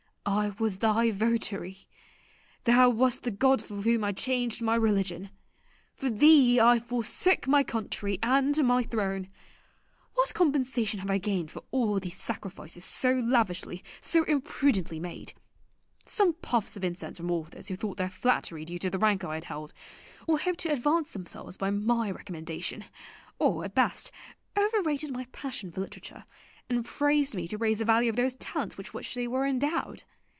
I was thy votary. Thou wast the god for whom I changed my religion. For thee I forsook my country and my throne. What compensation have I gained for all these sacrifices so lavishly, so imprudently made? Some puffs of incense from authors who thought their flattery due to the rank I had held, or hoped to advance themselves by my recommendation, or, at best, over rated my passion for literature, and praised me to raise the value of those talents with which they were endowed.